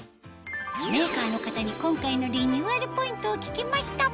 メーカーの方に今回のリニューアルポイントを聞きました